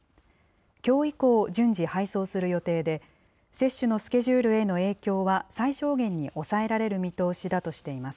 きょう以降、順次配送する予定で、接種のスケジュールへの影響は、最小限に抑えられる見通しだとしています。